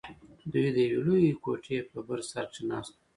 دوى د يوې لويې کوټې په بر سر کښې ناست وو.